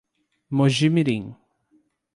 Moji-mirim